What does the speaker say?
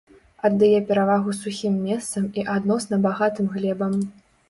Аддае перавагу сухім месцам і адносна багатым глебам.